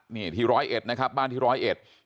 นี่ที่ร้อยเอ็ดนะครับบ้านที่ร้อยเอ็ด